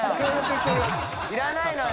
いらないのよ！